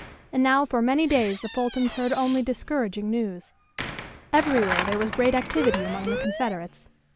And now for many days the Fultons heard only discouraging news. Everywhere there was great activity among the Confederates.